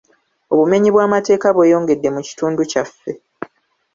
Obumenyi bw'amateeka bweyongedde mu kitundu kyaffe.